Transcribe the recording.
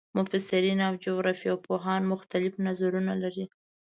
مفسرین او جغرافیه پوهان مختلف نظرونه لري.